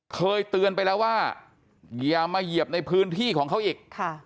เคยเตือนไปแล้วว่าอย่ามาเหยียบในพื้นที่ของเขาอีก